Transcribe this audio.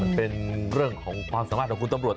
มันเป็นเรื่องของความสามารถของคุณตำรวจ